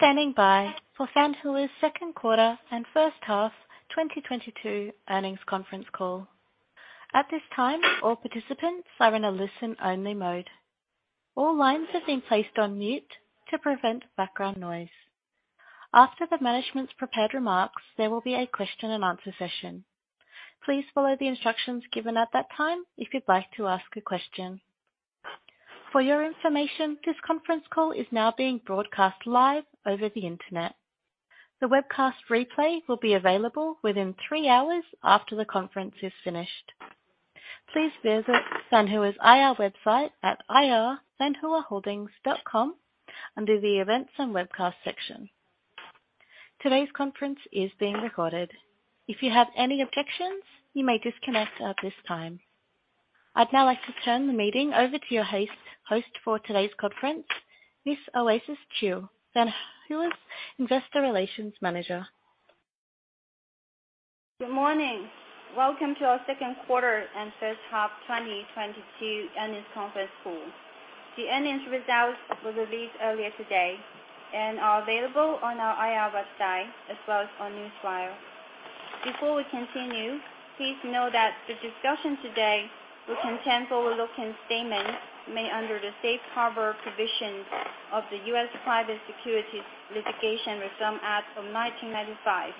Thank you for standing by for Fanhua's second quarter and first half 2022 earnings conference call. At this time, all participants are in a listen-only mode. All lines have been placed on mute to prevent background noise. After the management's prepared remarks, there will be a question-and-answer session. Please follow the instructions given at that time if you'd like to ask a question. For your information, this conference call is now being broadcast live over the Internet. The webcast replay will be available within three hours after the conference is finished. Please visit Fanhua's IR website at ir.fanhuaholdings.com under the Events and Webcast section. Today's conference is being recorded. If you have any objections, you may disconnect at this time. I'd now like to turn the meeting over to your host for today's conference, Miss Oasis Qiu, Fanhua's Investor Relations Manager. Good morning. Welcome to our second quarter and first half 2022 earnings conference call. The earnings results were released earlier today and are available on our IR website as well as on Newswire. Before we continue, please know that the discussion today will contain forward-looking statements made under the Safe Harbor provisions of the U.S. Private Securities Litigation Reform Act of 1995.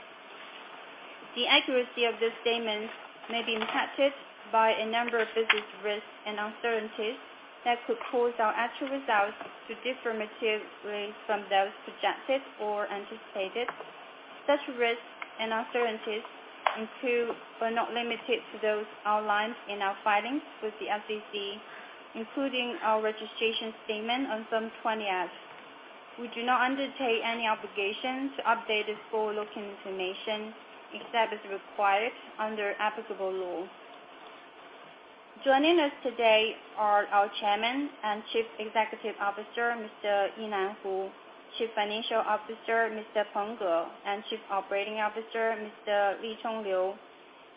The accuracy of these statements may be impacted by a number of business risks and uncertainties that could cause our actual results to differ materially from those projected or anticipated. Such risks and uncertainties include, but are not limited to, those outlined in our filings with the SEC, including our registration statement on Form 20-F. We do not undertake any obligation to update this forward-looking information except as required under applicable law. Joining us today are our Chairman and Chief Executive Officer, Mr. Yinan Hu, Chief Financial Officer, Mr. Peng Ge, and Chief Operating Officer, Mr. Licheng Liu.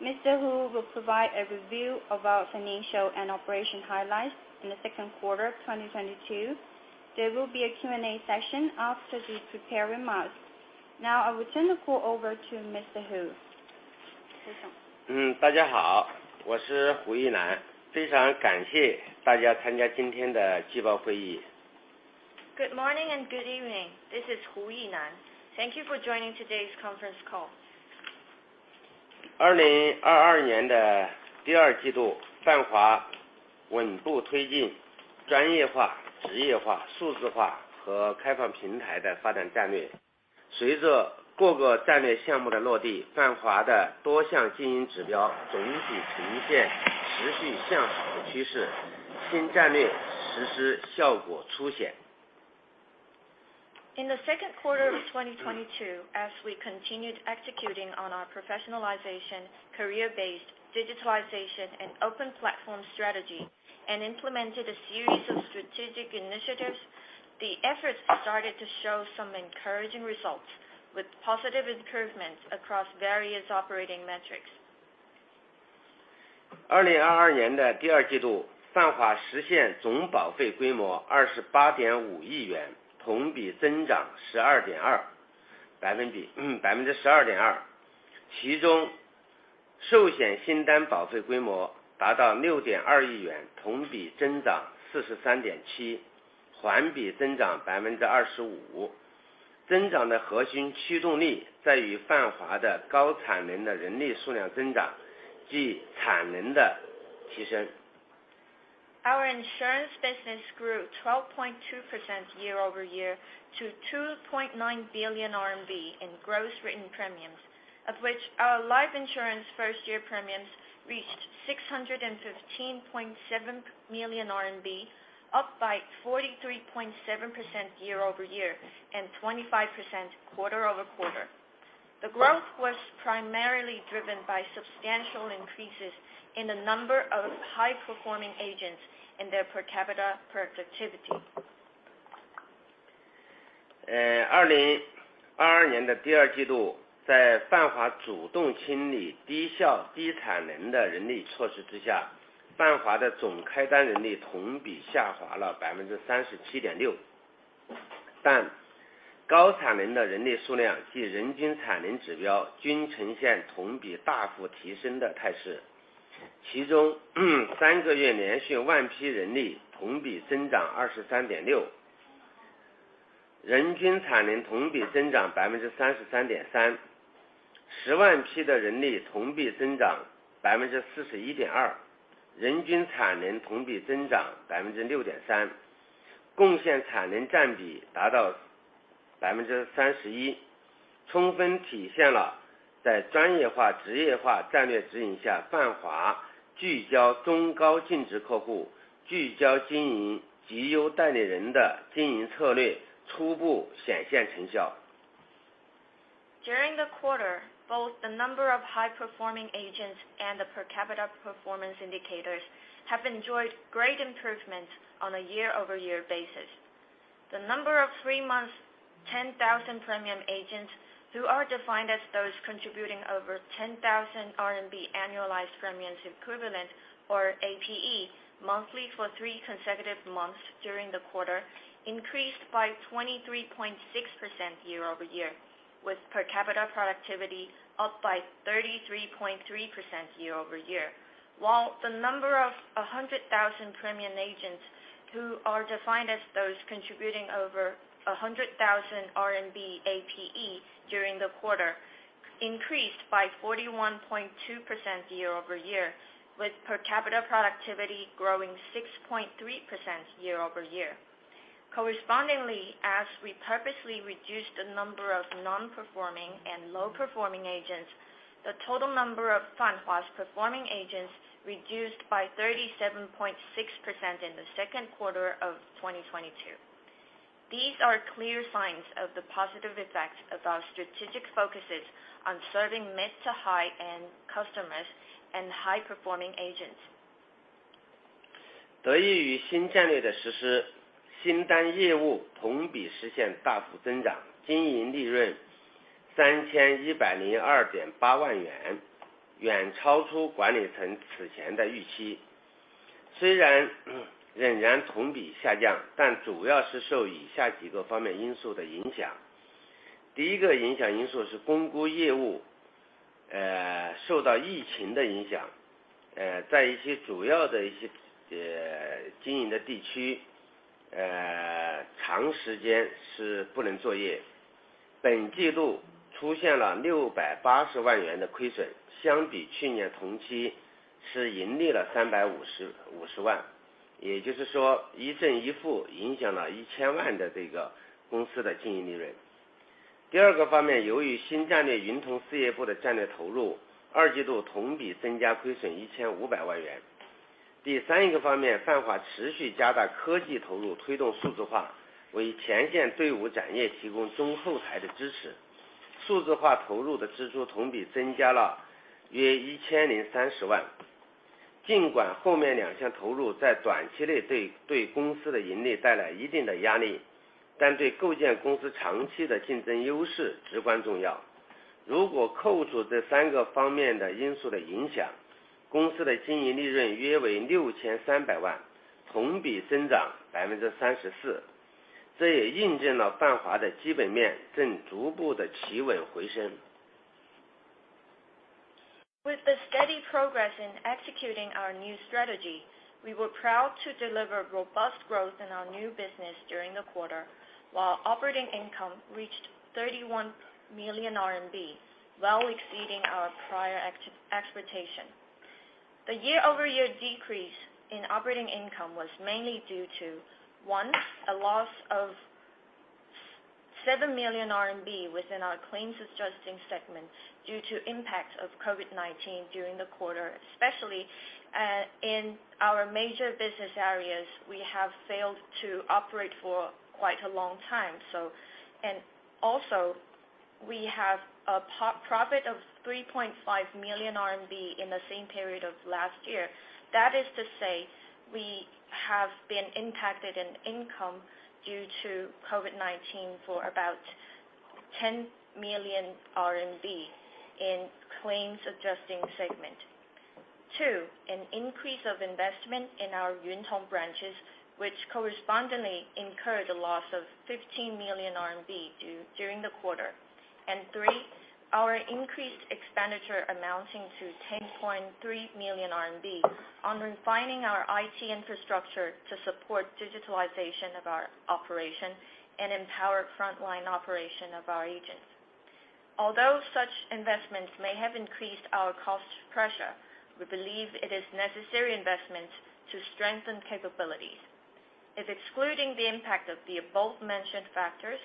Mr. Hu will provide a review of our financial and operational highlights in the second quarter 2022. There will be a Q&A session after the prepared remarks. Now I will turn the call over to Mr. Hu. 大家好，我是胡一楠，非常感谢大家参加今天的季报会议。Good morning and good evening. This is Yinan Hu. Thank you for joining today's conference call. 二零二二年的第二季度，泛华稳步推进专业化、职业化、数字化和开放平台的发展战略。随着各个战略项目的落地，泛华的多项经营指标总体呈现持续向好的趋势，新战略实施效果初显。In the second quarter of 2022, as we continued executing on our professionalization, career-based digitalization and open platform strategy and implemented a series of strategic initiatives, the efforts started to show some encouraging results with positive improvements across various operating metrics. Our insurance business grew 12.2% year-over-year to 2.9 billion RMB in gross written premiums, of which our life insurance first-year premiums reached RMB 615.7 million, up by 43.7% year-over-year and 25% quarter-over-quarter. The growth was primarily driven by substantial increases in the number of high-performing agents and their per capita productivity. During the quarter, both the number of high-performing agents and the per capita performance indicators have enjoyed great improvements on a year-over-year basis. The number of three months, 10,000 premium agents who are defined as those contributing over 10,000 RMB annualized premiums equivalent or APE monthly for three consecutive months during the quarter increased by 23.6% year-over-year, with per capita productivity up by 33.3% year-over-year. While the number of 100,000 premium agents who are defined as those contributing over 100,000 RMB APE during the quarter increased by 41.2% year-over-year, with per capita productivity growing 6.3% year-over-year. Correspondingly, as we purposely reduced the number of non-performing and low performing agents, the total number of Fanhua's performing agents reduced by 37.6% in the second quarter of 2022. These are clear signs of the positive effects of our strategic focuses on serving mid to high-end customers and high performing agents. With the steady progress in executing our new strategy, we were proud to deliver robust growth in our new business during the quarter, while operating income reached 31 million RMB, well exceeding our prior expectation. The year-over-year decrease in operating income was mainly due to, one, a loss of 7 million RMB within our claims adjusting segment due to impacts of COVID-19 during the quarter. Especially, in our major business areas, we have failed to operate for quite a long time. We have a profit of 3.5 million RMB in the same period of last year. That is to say, we have been impacted in income due to COVID-19 for about 10 million RMB in claims adjusting segment. Two, an increase of investment in our Yuntong branches, which correspondingly incurred a loss of 15 million RMB due during the quarter. Three, our increased expenditure amounting to 10.3 million RMB on refining our IT infrastructure to support digitalization of our operation and empower frontline operation of our agents. Although such investments may have increased our cost pressure, we believe it is necessary investments to strengthen capabilities. If excluding the impact of the above-mentioned factors,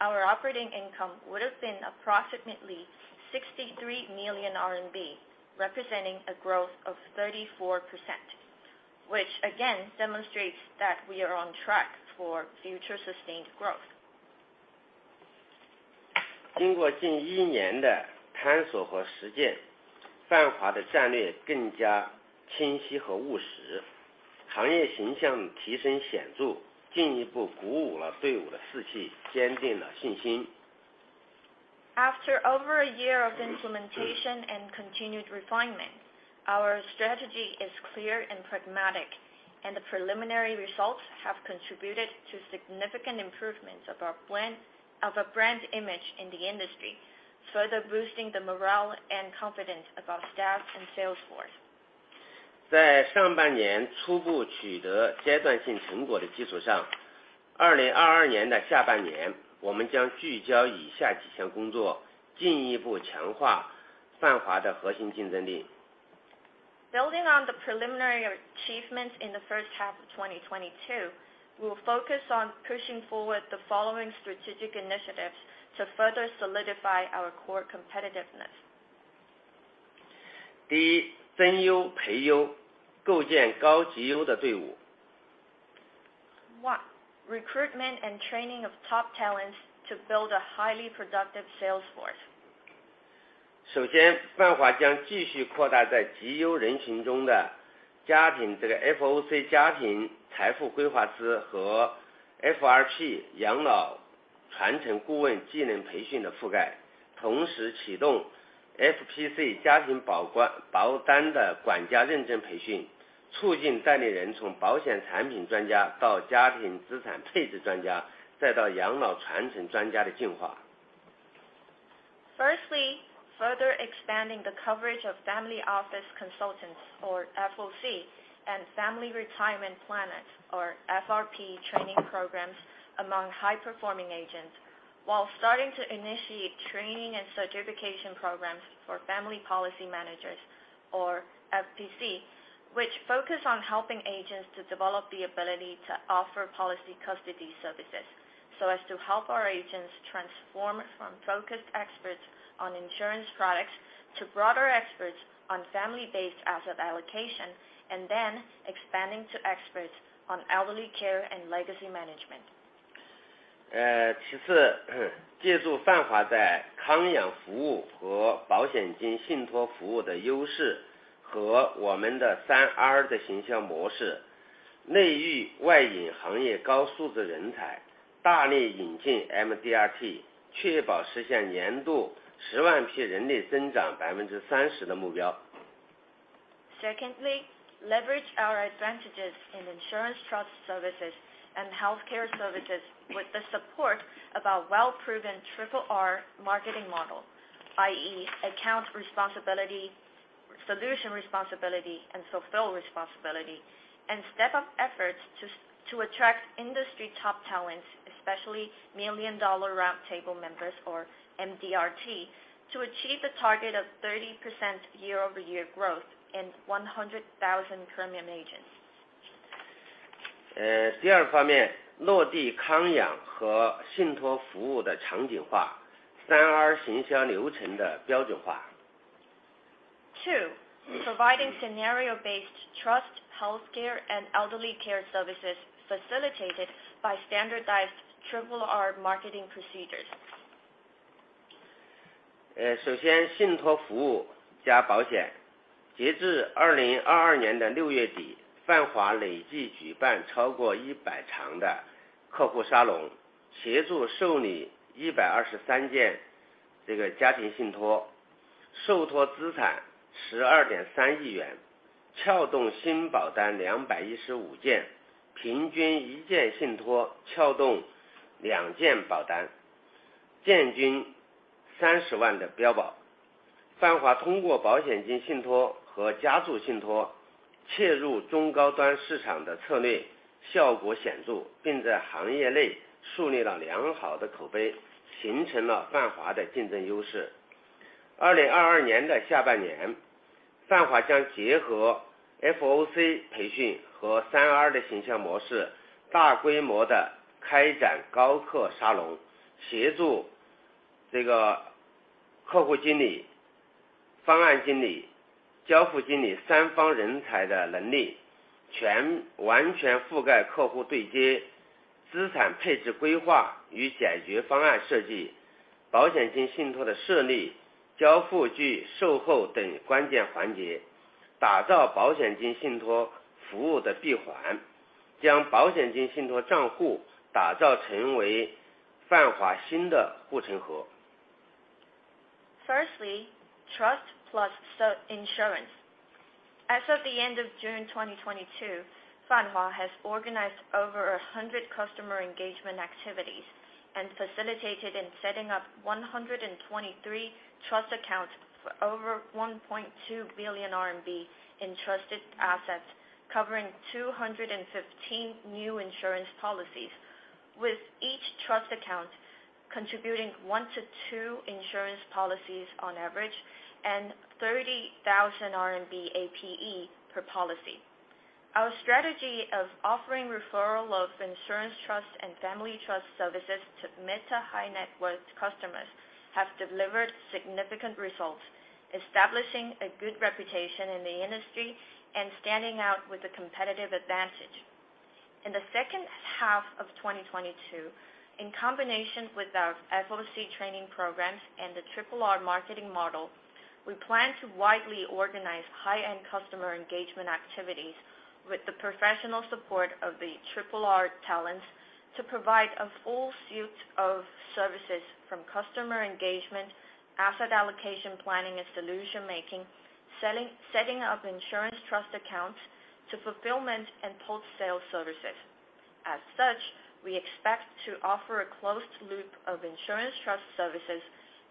our operating income would have been approximately 63 million RMB, representing a growth of 34%, which again demonstrates that we are on track for future sustained growth. After over a year of implementation and continued refinement, our strategy is clear and pragmatic, and the preliminary results have contributed to significant improvements of our brand image in the industry, further boosting the morale and confidence of our staff and sales force. Building on the preliminary achievements in the first half of 2022, we will focus on pushing forward the following strategic initiatives to further solidify our core competitiveness. One, recruitment and training of top talents to build a highly productive sales force. 首先，泛华将继续扩大在集优人群中的FOC家庭财富规划师和FRP养老传承顾问技能培训的覆盖，同时启动FPC家庭保冠保单的管家认证培训，促进代理人从保险产品专家到家庭资产配置专家再到养老传承专家的进化。Firstly, further expanding the coverage of family office consultants for FOC and family retirement planners or FRP training programs among high performing agents. While starting to initiate training and certification programs for family policy managers, or FPC, which focus on helping agents to develop the ability to offer policy custody services so as to help our agents transform from focused experts on insurance products to broader experts on family-based asset allocation, and then expanding to experts on elderly care and legacy management. 其次，借助泛华在康养服务和保险金信托服务的优势和我们的3R的行销模式，内育外引行业高素质人才，大力引进MDRT，确保实现年度十万P人力增长30%的目标。Secondly, leverage our advantages in insurance trust services and health care services with the support of our well-proven Triple R marketing model, i.e. account responsibility, solution responsibility and fulfill responsibility and step up efforts to attract industry top talents, especially Million Dollar Round Table members or MDRT, to achieve the target of 30% year-over-year growth in 100,000 premium agents. 第二方面，落地康养和信托服务的场景化，3R行销流程的标准化。Two, providing scenario-based trust, health care and elderly care services facilitated by standardized Triple R marketing procedures. 首先，信托服务加保险。截至2022年的六月底，泛华累计举办超过一百场的客户沙龙，协助受理一百二十三件这个家庭信托，受托资产十二点三亿元，撬动新保单两百一十五件，平均一件信托撬动两件保单，件均三十万的标保。泛华通过保险金信托和家族信托切入中高端市场的策略效果显著，并在行业内树立了良好的口碑，形成了泛华的竞争优势。2022年的下半年，泛华将结合FOC培训和3R的行销模式，大规模地开展高客沙龙，协助这个客户经理、方案经理、交付经理三方人才的能力全面覆盖客户对接、资产配置规划与解决方案设计、保险金信托的设立、交付及售后等关键环节，打造保险金信托服务的闭环，将保险金信托账户打造成为泛华新的成长核。Firstly, trust plus insurance. As of the end of June 2022, Fanhua has organized over 100 customer engagement activities and facilitated in setting up 123 trust accounts for over 1.2 billion RMB in trusted assets, covering 215 new insurance policies, with each trust account contributing one to two insurance policies on average, and 30,000 RMB APE per policy. Our strategy of offering referral of insurance trust and family trust services to ultra-high net worth customers have delivered significant results. Establishing a good reputation in the industry and standing out with a competitive advantage. In the second half of 2022, in combination with our FOC training programs and the Triple R marketing model, we plan to widely organize high-end customer engagement activities with the professional support of the triple R talents to provide a full suite of services from customer engagement, asset allocation planning and solution making, selling, setting up insurance trust accounts to fulfillment and post-sale services. As such, we expect to offer a closed loop of insurance trust services,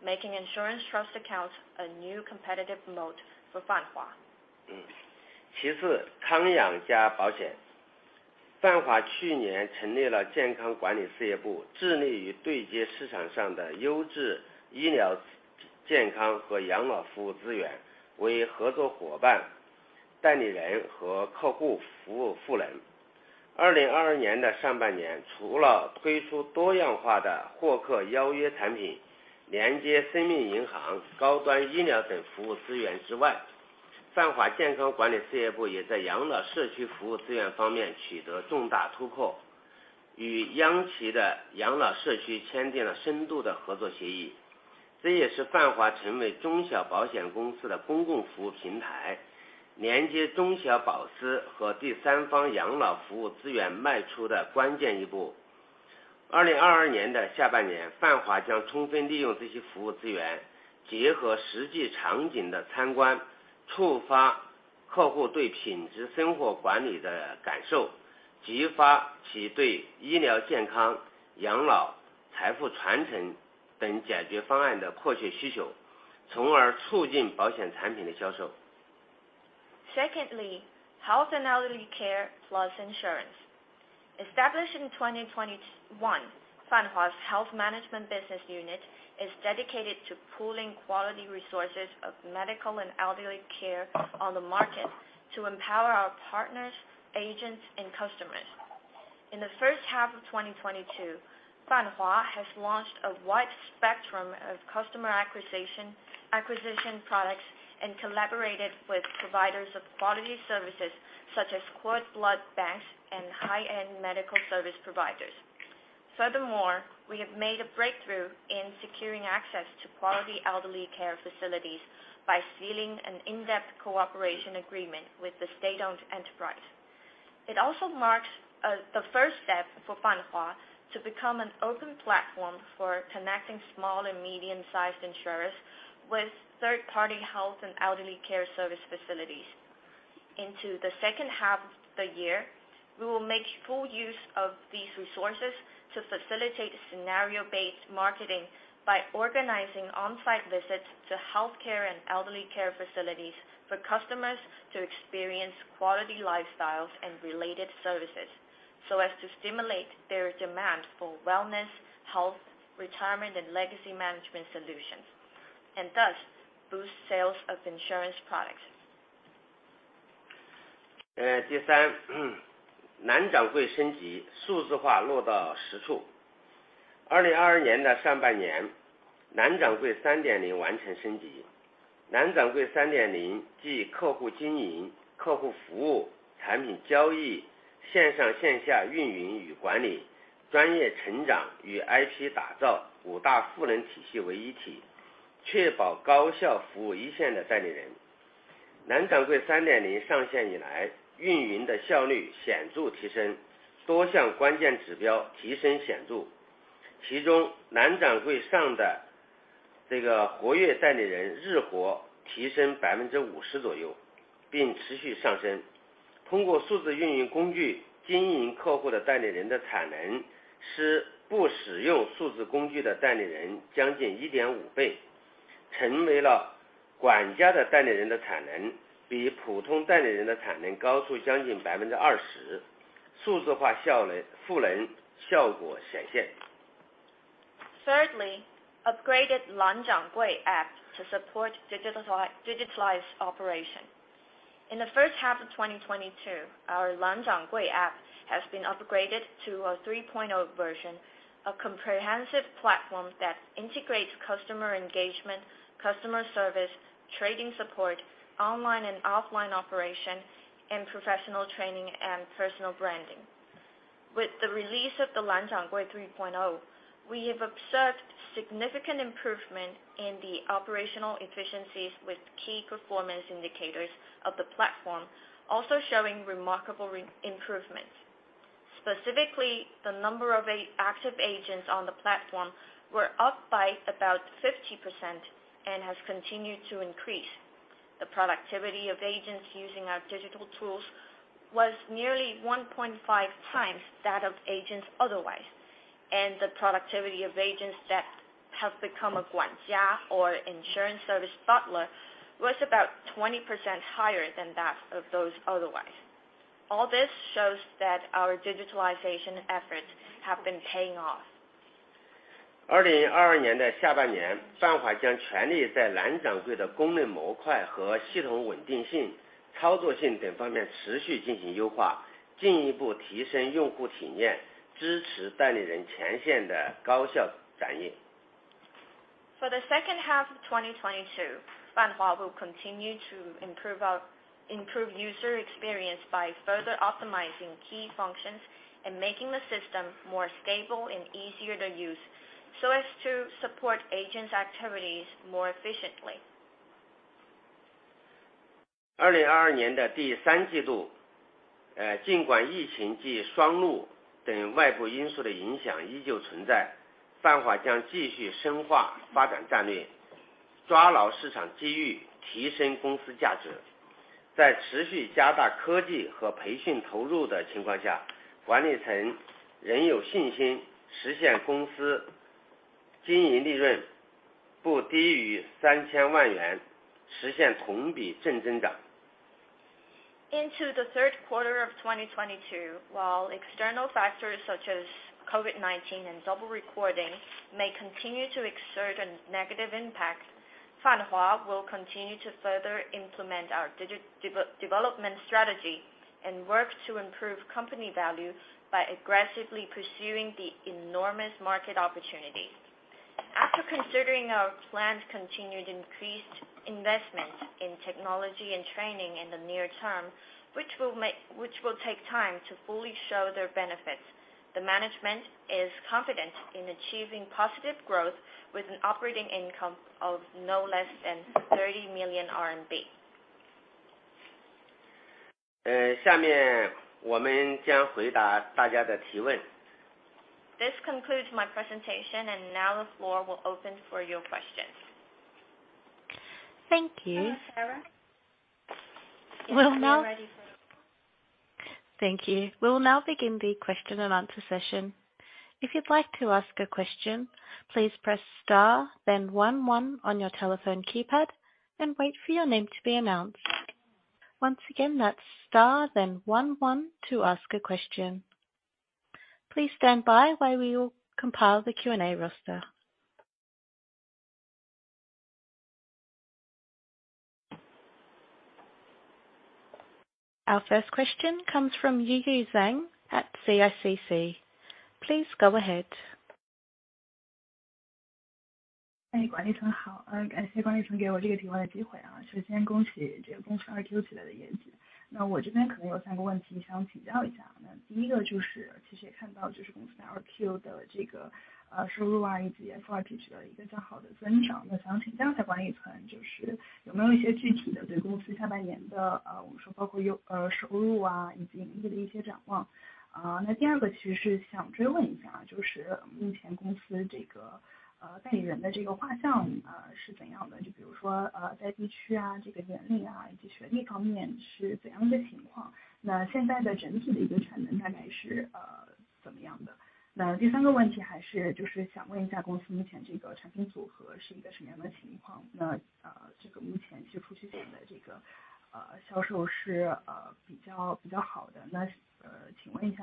making insurance trust accounts a new competitive mode for Fanhua. Secondly, health and elderly care plus insurance. Established in 2021, Fanhua's health management business unit is dedicated to pooling quality resources of medical and elderly care on the market to empower our partners, agents and customers. In the first half of 2022, Fanhua has launched a wide spectrum of customer acquisition products and collaborated with providers of quality services such as cord blood banks and high-end medical service providers. Furthermore, we have made a breakthrough in securing access to quality elderly care facilities by sealing an in-depth cooperation agreement with the state-owned enterprise. It also marks the first step for Fanhua to become an open platform for connecting small and medium-sized insurers with third-party health and elderly care service facilities. Into the second half of the year, we will make full use of these resources to facilitate scenario-based marketing by organizing on-site visits to healthcare and elderly care facilities for customers to experience quality lifestyles and related services, so as to stimulate their demand for wellness, health, retirement and legacy management solutions, and thus boost sales of insurance products. Thirdly, upgraded Lan Zhang Gui app to support digitalized operation. In the first half of 2022, our Lan Zhang Gui app has been upgraded to a 3.0 version, a comprehensive platform that integrates customer engagement, customer service, trading support, online and offline operation, and professional training and personal branding. With the release of the Lan Zhang Gui 3.0, we have observed significant improvement in the operational efficiencies with key performance indicators of the platform also showing remarkable improvement. Specifically, the number of active agents on the platform were up by about 50% and has continued to increase. The productivity of agents using our digital tools was nearly 1.5 times that of agents otherwise. The productivity of agents that have become a Guanjia or insurance service butler was about 20% higher than that of those otherwise. All this shows that our digitalization efforts have been paying off. 二零二二年的下半年，泛华将全力在蓝掌柜的功能模块和系统稳定性、操作性等方面持续进行优化，进一步提升用户体验，支持代理人全线的高效展业。For the second half of 2022, Fanhua will continue to improve user experience by further optimizing key functions and making the system more stable and easier to use so as to support agents' activities more efficiently. 二零二二年的第三季度，尽管疫情及双录等外部因素的影响依旧存在，泛华将继续深化发展战略，抓牢市场机遇，提升公司价值。在持续加大科技和培训投入的情况下，管理层仍有信心实现公司经营利润不低于三千万元，实现同比正增长。Into the third quarter of 2022, while external factors such as COVID-19 and double recording may continue to exert a negative impact, Fanhua will continue to further implement our digital development strategy and work to improve company value by aggressively pursuing the enormous market opportunity. After considering our plans continued increased investment in technology and training in the near term, which will take time to fully show their benefits. The management is confident in achieving positive growth with an operating income of no less than RMB 30 million. 下面我们将回答大家的提问。This concludes my presentation and now the floor will open for your questions. Thank you. Hello, Sarah. We'll now- Are you ready for it? Thank you. We'll now begin the question and answer session. If you'd like to ask a question, please press star then one one on your telephone keypad and wait for your name to be announced. Once again, that's star then one one to ask a question. Please stand by while we will compile the Q&A roster. Our first question comes from Yuyu Zheng at CICC. Please go ahead. 管理层好，感谢管理层给我这个提问的机会。首先恭喜这个公司 2Q 以来的业绩。那我这边可能有三个问题想要请教一下。那第一个就是其实也看到就是公司 2Q 的这个收入以及 FRP So the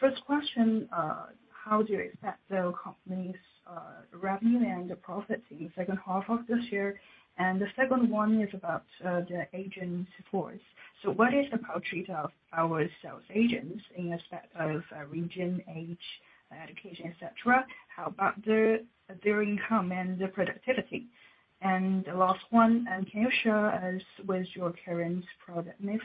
first question, how to expect the company's revenue and the profit in second half of this year? And the second one is about the agent force. So what is the portrait of our sales agents in respect of region, age, education, etc.? How about their income and their productivity? And the last one, can you share us with your current product mix?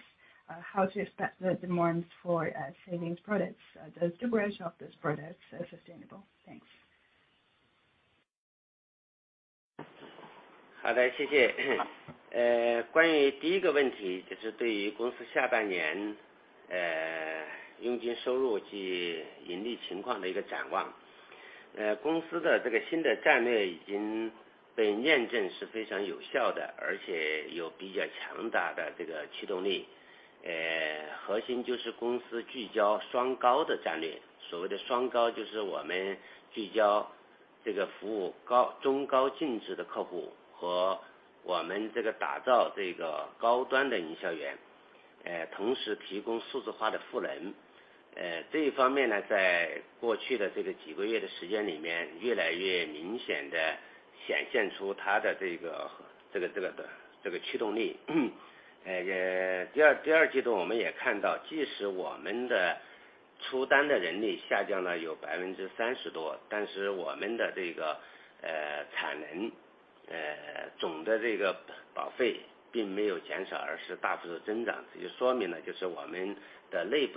How to expect the demands for savings products? The duration of this product sustainable? Thanks. Thank you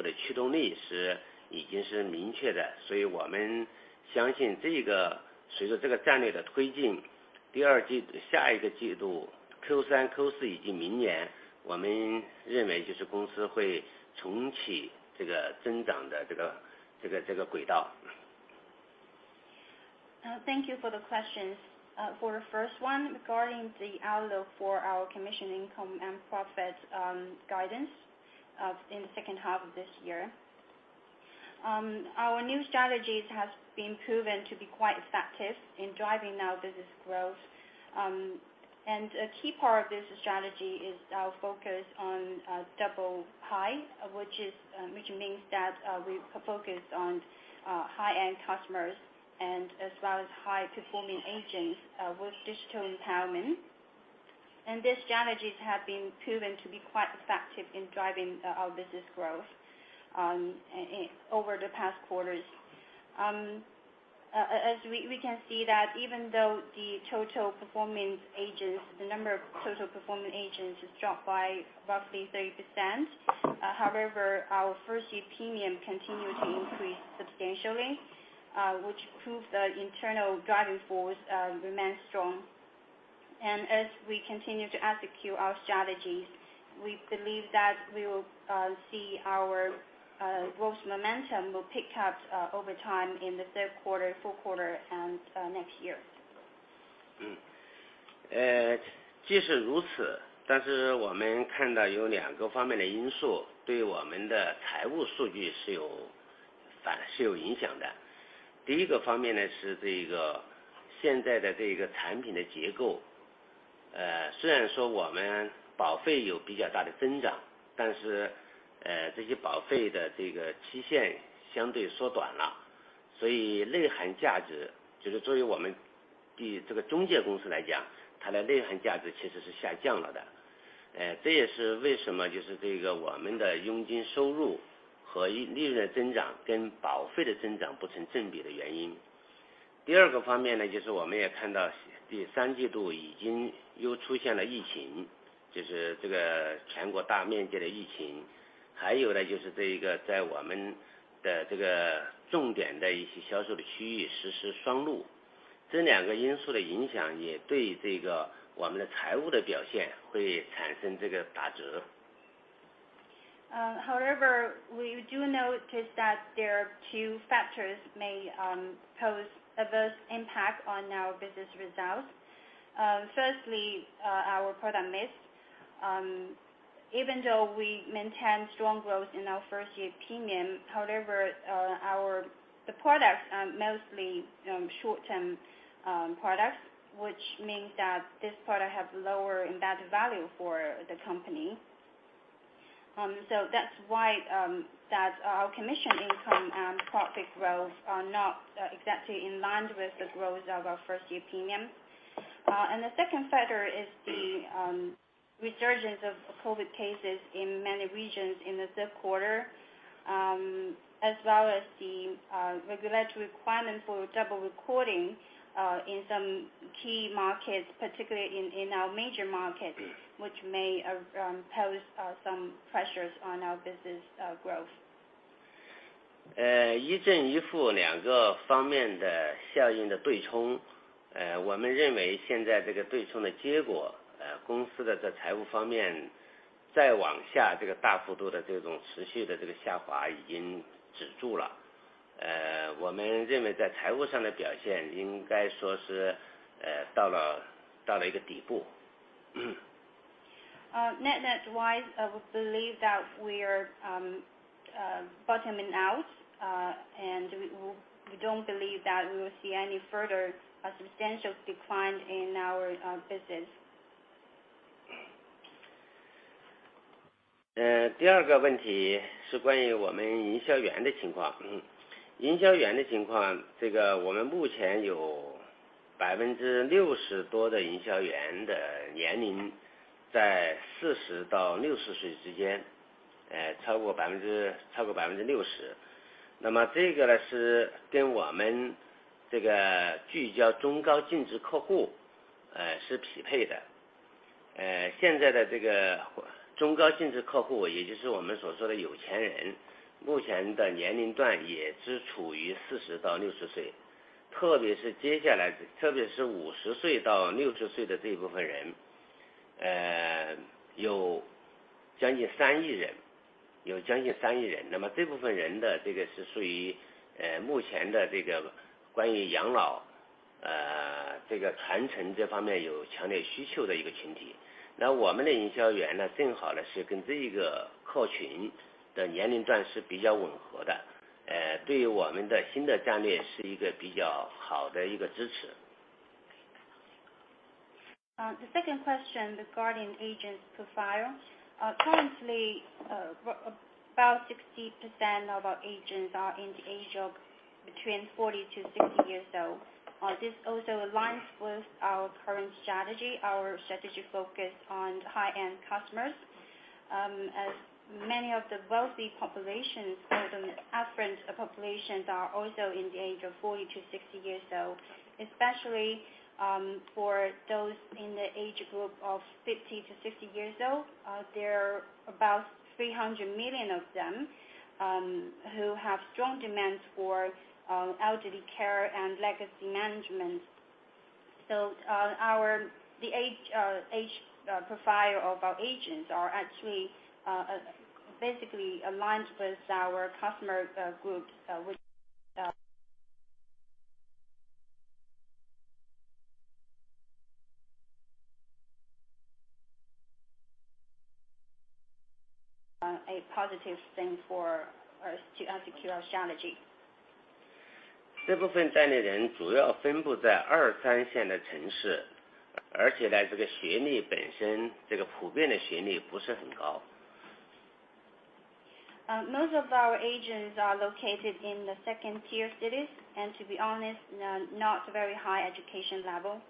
for the questions. For the first one regarding the outlook for our commission income and profit guidance for the second half of this year. Our new strategies has been proven to be quite effective in driving our business growth. A key part of this strategy is our focus on double high, which means that we focus on high-end customers and as well as high-performing agents with digital empowerment. These strategies have been proven to be quite effective in driving our business growth in the past quarters. As we can see that even though the number of total performing agents has dropped by roughly 30%, however, our first-year premium continued to increase substantially, which proves the internal driving force remains strong. As we continue to execute our strategies, we believe that we will see our growth momentum will pick up over time in the third quarter, fourth quarter and next year. However, we do notice that there are two factors may pose adverse impact on our business results. Firstly, our product mix. Even though we maintain strong growth in our first-year premium. However, our products are mostly short-term products, which means that these products have lower embedded value for the company. So that's why that our commission income and profit growth are not exactly in line with the growth of our first-year premium. The second factor is the resurgence of COVID cases in many regions in the third quarter, as well as the regulatory requirement for double recording in some key markets, particularly in our major markets, which may pose some pressures on our business growth. 一正一负两个方面的效应的对冲。我们认为现在这个对冲的结果，公司的在财务方面再往下这个大幅度的这种持续的这个下滑已经止住了。我们认为在财务上的表现应该说是，到了一个底部。Net-net wise, I believe that we are bottoming out, and we don't believe that we will see any further substantial decline in our business. The second question regarding agents' profile. Currently, about 60% of our agents are in the age of between 40-60 years old. This also aligns with our current strategy, our strategy focus on high-end customers. As many of the wealthy populations or the affluent populations are also in the age of 40-60 years old, especially, for those in the age group of 50-60 years old. There are about 300 million of them, who have strong demands for, elderly care and legacy management. The age profile of our agents are actually basically aligned with our customer group, which is a positive thing for us to execute our strategy. 这部分代理人主要分布在二三线的城市，而且呢，这个学历本身这个普遍的学历不是很高。Most of our agents are located in the second-tier cities. To be honest, not very high education level.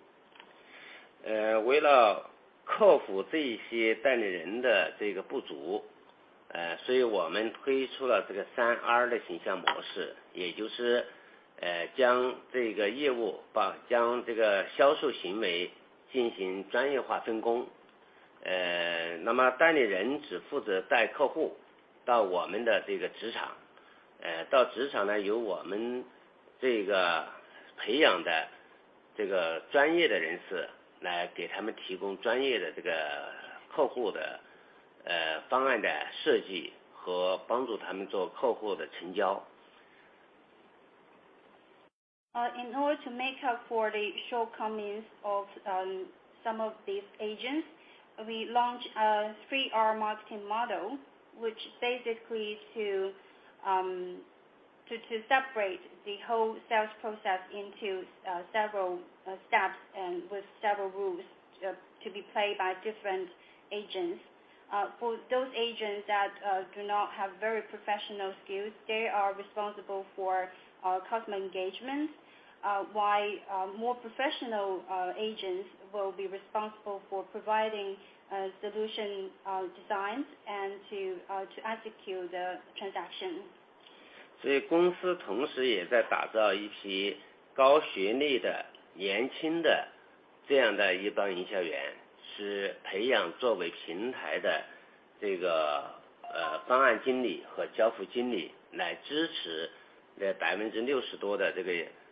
In order to make up for the shortcomings of some of these agents, we launched a 3R marketing model, which basically is to separate the whole sales process into several steps and with several roles to be played by different agents. For those agents that do not have very professional skills, they are responsible for our customer engagements. While more professional agents will be responsible for providing solution designs and to execute the transaction. 所以公司同时也在打造一批高学历的年轻的这样的一帮营销员，是培养作为平台的方案经理和交付经理来支持那60%多的营销员。那么目前的这个三十岁到四十岁这部分人，我们已经拥有了2%……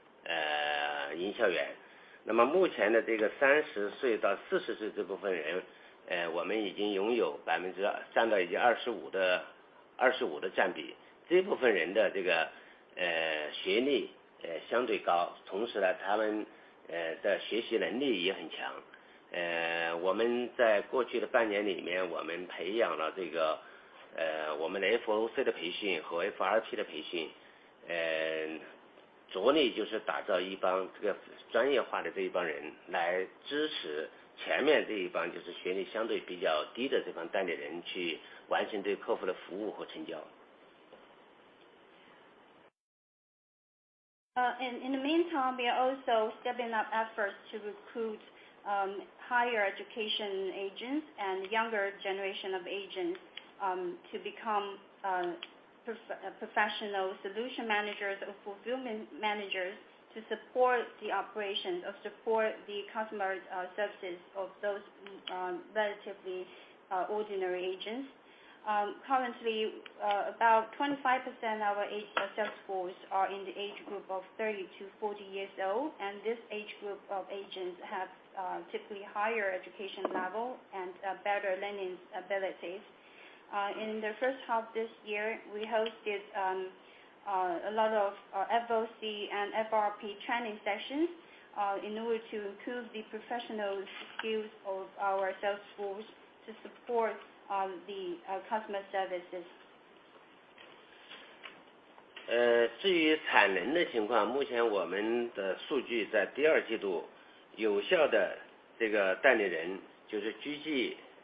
In the meantime, we are also stepping up efforts to recruit higher education agents and younger generation of agents to become professional solution managers or fulfillment managers to support the customer services of those relatively ordinary agents. Currently, about 25% of our salesforce are in the age group of 30-40 years old, and this age group of agents have typically higher education level and better learning abilities. In the first half this year, we hosted a lot of FOC and FRP training sessions in order to improve the professional skills of our salesforce to support the customer services.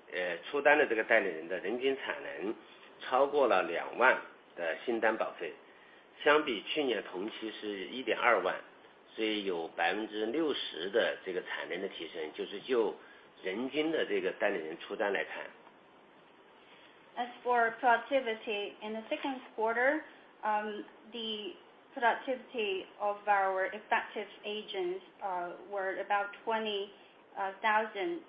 至于产能的情况，目前我们的数据在第二季度有效的代理人，就是累计出单的代理人的人均产能超过了2万的新单保费，相比去年同期是1.2万，所以有60%的产能提升，就是就人均的代理人出单来看。As for productivity, in the second quarter, the productivity of our effective agents were about 20,000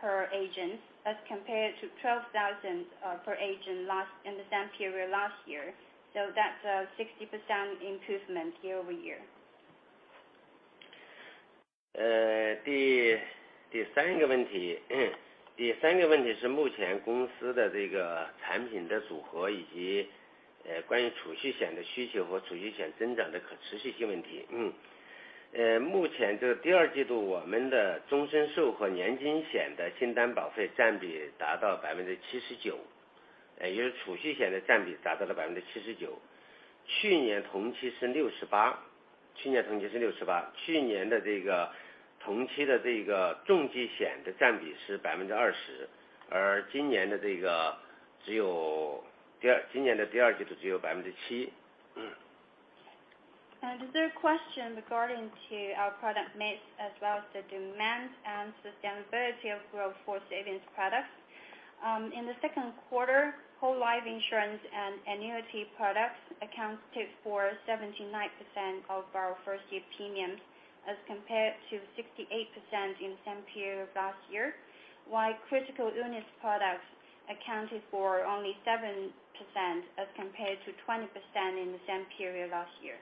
per agent as compared to 12,000 per agent in the same period last year. That's a 60% improvement year-over-year. 第三个问题是目前公司的产品组合，以及关于储蓄险的需求和储蓄险增长的可持续性问题。目前第二季度我们的终身寿和年金险的新单保费占比达到79%，也就是储蓄险的占比达到了79%，去年同期是68%，去年同期的重疾险的占比是20%，而今年的只有第二... 今年的第二季度只有7%。The third question regarding to our product mix as well as the demand and sustainability of growth for savings products. In the second quarter, whole life insurance and annuity products accounted for 79% of our first-year premiums as compared to 68% in the same period last year. While critical illness products accounted for only 7% as compared to 20% in the same period last year.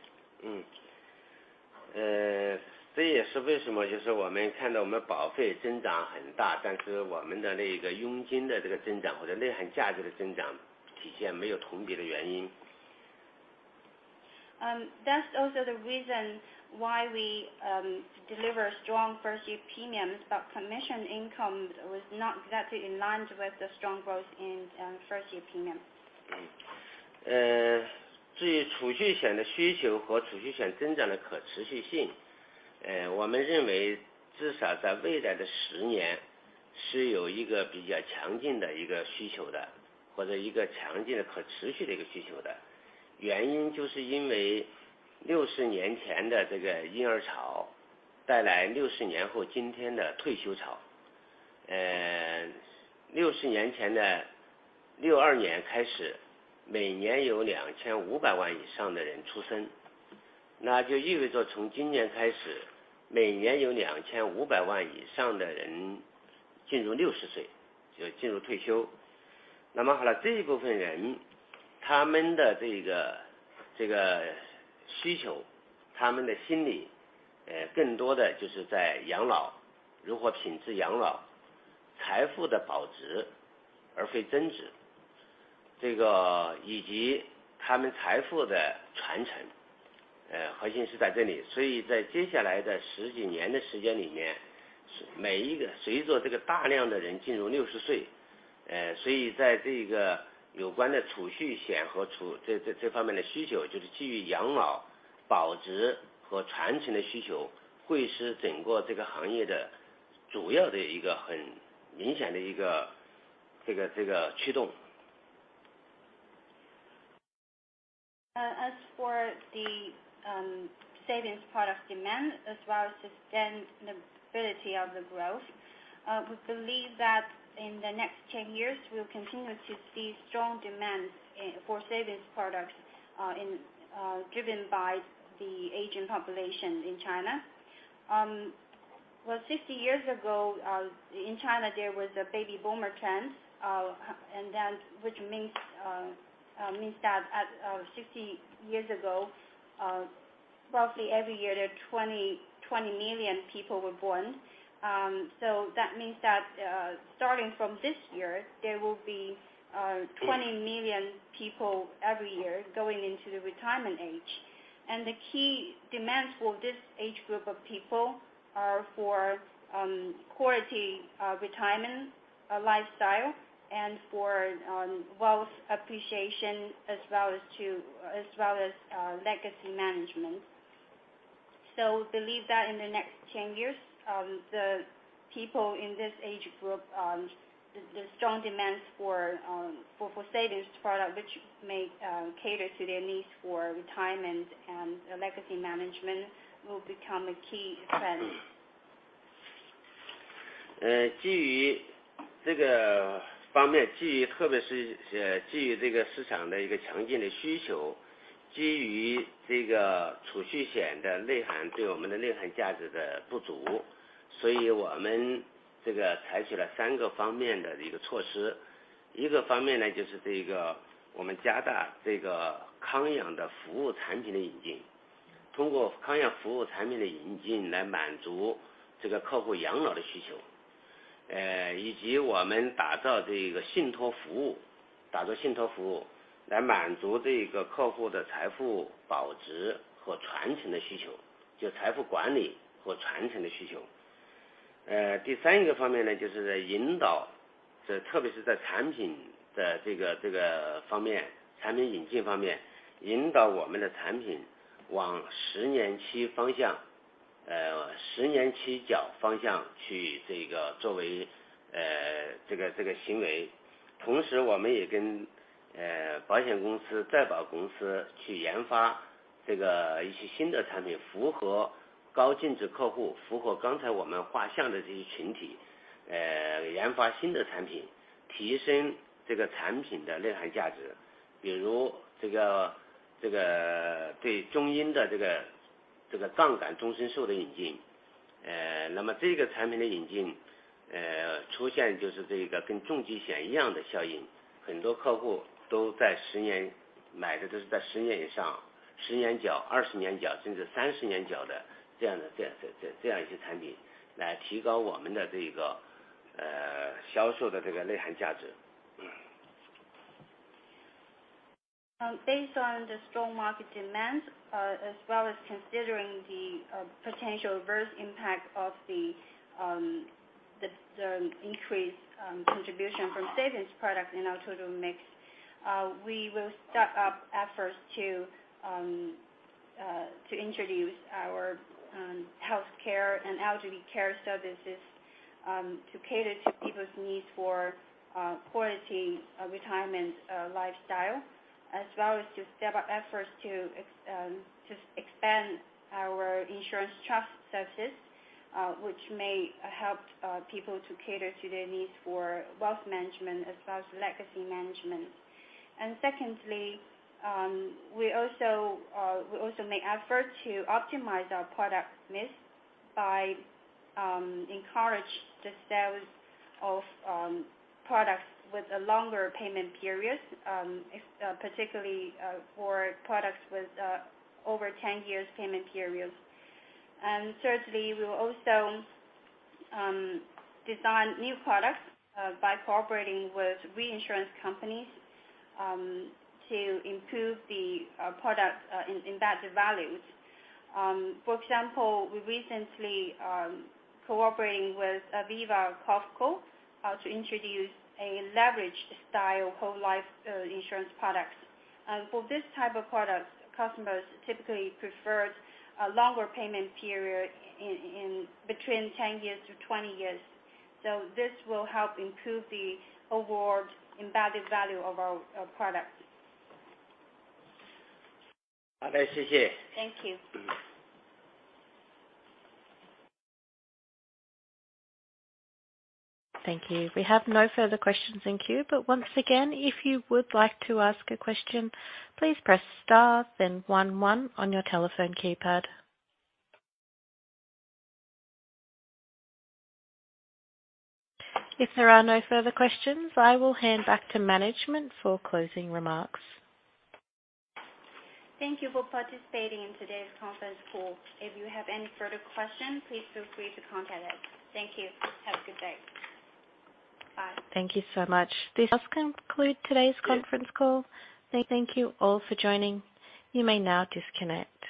这也是为什么我们看到我们保费增长很大，但是我们的佣金的增长或者内含价值的增长体现没有同比的原因。That's also the reason why we deliver strong first year premiums. Commission income was not exactly in line with the strong growth in first year premiums. 随着大量的人进入六十岁，所以在有关的储蓄险和这方面的需求，就是基于养老 As for the savings product demand as well as the sustainability of the growth, we believe that in the next 10 years, we'll continue to see strong demand for savings products driven by the aging population in China. Well, 60 years ago in China, there was a baby boomer trend, and then which means that 60 years ago, roughly every year there are 20 million people were born. That means that starting from this year, there will be 20 million people every year going into the retirement age. The key demands for this age group of people are for quality retirement lifestyle and for wealth appreciation as well as legacy management. Believe that in the next 10 years, the people in this age group, the strong demands for savings product, which may cater to their needs for retirement and legacy management will become a key trend. Uh, Based on the strong market demand, as well as considering the potential adverse impact of the increased contribution from savings products in our total mix, we will step up efforts to introduce our healthcare and elderly care services, to cater to people's needs for quality retirement lifestyle as well as to step up efforts to expand our insurance trust services, which may help people to cater to their needs for wealth management as well as legacy management. Secondly, we also make effort to optimize our product mix by encourage the sales of products with a longer payment periods, particularly, for products with over 10 years payment periods. Thirdly, we will also design new products by cooperating with reinsurance companies to improve the product in embedded values. For example, we recently cooperating with Aviva-COFCO to introduce a leveraged style whole life insurance products. For this type of product, customers typically preferred a longer payment period in between 10 years to 20 years. This will help improve the overall embedded value of our product. Thank you. Thank you. We have no further questions in queue. Once again, if you would like to ask a question, please press star then one one on your telephone keypad. If there are no further questions, I will hand back to management for closing remarks. Thank you for participating in today's conference call. If you have any further questions, please feel free to contact us. Thank you. Have a good day. Bye. Thank you so much. This does conclude today's conference call. Thank you all for joining. You may now disconnect.